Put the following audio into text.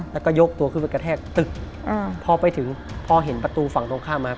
แล้วก็ยกตัวขึ้นไปกระแทกตึกพอไปถึงพอเห็นประตูฝั่งตรงข้ามมา